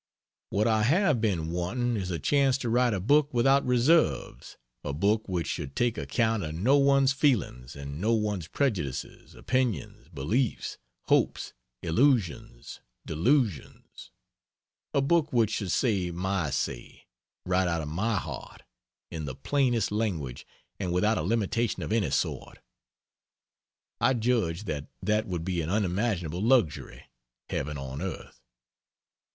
What I have been wanting is a chance to write a book without reserves a book which should take account of no one's feelings, and no one's prejudices, opinions, beliefs, hopes, illusions, delusions; a book which should say my say, right out of my heart, in the plainest language and without a limitation of any sort. I judged that that would be an unimaginable luxury, heaven on earth.